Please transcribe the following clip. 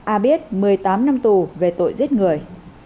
a biết một mươi tám năm tù về tội giết người